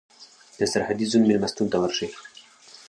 د سرحدي زون مېلمستون ته ورشئ.